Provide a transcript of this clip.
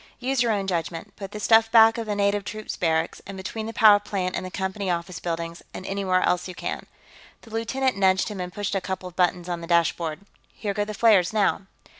Use your own judgment. Put the stuff back of the native troops barracks, and between the power plant and the Company office buildings, and anywhere else you can." The lieutenant nudged him and pushed a couple of buttons on the dashboard. "Here go the flares, now."